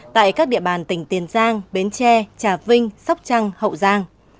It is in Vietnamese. tại các địa bàn tỉnh tiền giang bến tre trà vinh sóc trăng hậu giang